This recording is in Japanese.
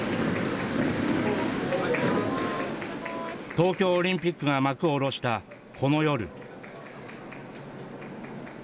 東京オリンピックが幕を降ろしたこの夜。